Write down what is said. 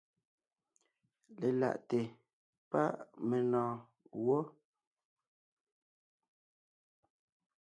Lelaʼte páʼ menɔ̀ɔn gwɔ́.